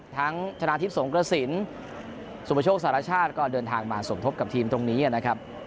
ชนะทิพย์สงกระสินสุประโชคสารชาติก็เดินทางมาสมทบกับทีมตรงนี้นะครับ